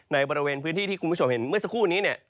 บริเวณพื้นที่ที่คุณผู้ชมเห็นเมื่อสักครู่นี้เนี่ย